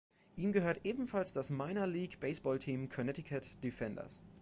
Ihm gehört ebenfalls das Minor League Baseballteam "Connecticut Defenders".